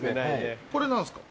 これ何すか？